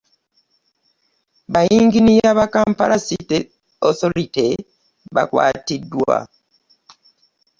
Ba Yinginiya ba Kampala Capital City Authority bakwatiddwa.